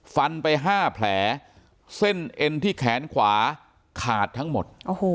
ฟันไป๕แผลเส้นเอ็นที่แขนขวาขาดทั้งหมด